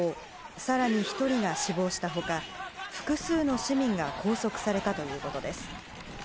更に、１人が死亡した他複数の市民が拘束されたということです。